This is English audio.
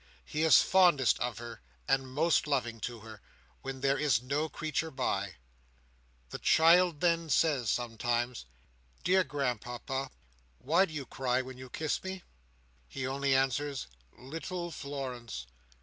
He is fondest of her and most loving to her, when there is no creature by. The child says then, sometimes: "Dear grandpapa, why do you cry when you kiss me?" He only answers, "Little Florence!